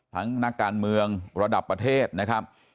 นักการเมืองระดับประเทศนะครับ